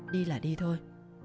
đi là đi thôi